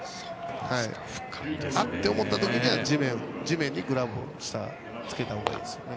あって思った時には地面にグラブをつけたほうがいいですね。